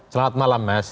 selamat malam mas